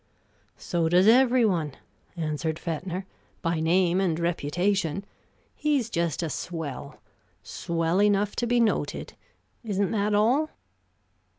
"So does every one," answered Fetner, "by name and reputation. He's just a swell swell enough to be noted. Isn't that all?"